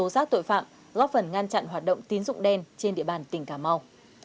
việc tố giác tội phạm góp phần ngăn chặn hoạt động tín dụng đen trên địa bàn tỉnh cà mau